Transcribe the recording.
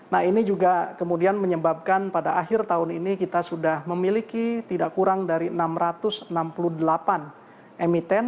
nah ini juga kemudian menyebabkan pada akhir tahun ini kita sudah memiliki tidak kurang dari enam ratus enam puluh delapan emiten